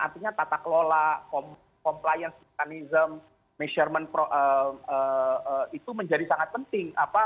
artinya tata kelola compliance mekanism measurement itu menjadi sangat penting